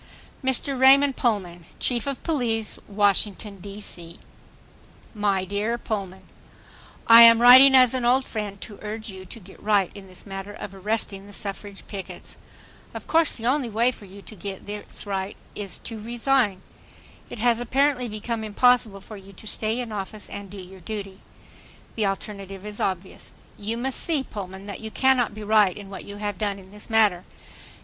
Mr. Raymond Pullman, Chief of Police, Washington, D. C. My dear Pullman,— I am writing as an old friend to urge you to get right in this matter of arresting the suffrage pickets. Of course the only way for you to get right is to resign. It has apparently become impossible for you to stay in office and do your duty. The alternative is obvious. You must see, Pullman, that you cannot be right in what you have done in this matter.